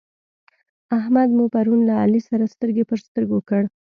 احمد مو پرون له علي سره سترګې پر سترګو کړ.